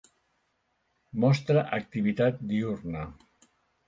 Mostra activitat diürna.